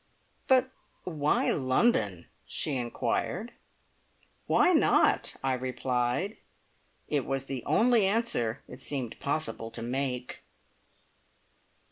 "But why London?" she inquired. "Why not?" I replied. It was the only answer it seemed possible to make!